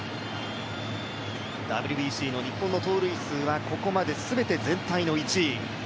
ＷＢＣの日本の盗塁数はここまで全て含めて全体の１位。